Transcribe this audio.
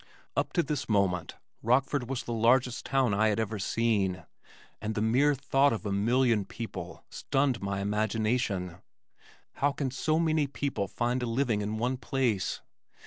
Up to this moment Rockford was the largest town I had ever seen, and the mere thought of a million people stunned my imagination. "How can so many people find a living in one place?"